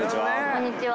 こんにちは。